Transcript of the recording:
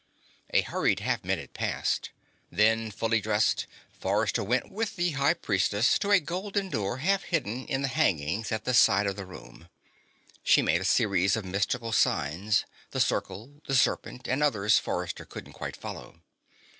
A hurried half minute passed. Then, fully dressed, Forrester went with the High Priestess to a golden door half hidden in the hangings at the side of the room. She made a series of mystical signs: the circle, the serpent and others Forrester couldn't quite follow.